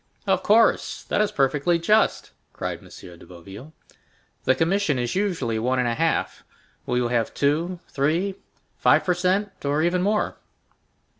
"Of course, that is perfectly just," cried M. de Boville. "The commission is usually one and a half; will you have two—three—five per cent, or even more?